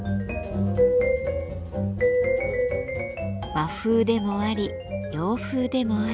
和風でもあり洋風でもあり。